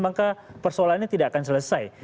maka persoalannya tidak akan selesai